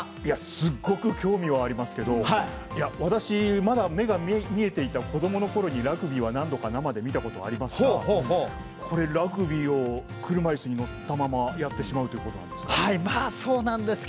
すごく興味ありますけど私、まだ目が見えていた子どものころにラグビーは何度か生で見たことがありますがラグビーを車いすに乗ったままやってしまうということなんですか？